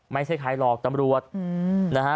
ไม่ใช่ใครหรอกตรรมรวรต